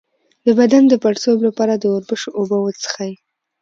د بدن د پړسوب لپاره د وربشو اوبه وڅښئ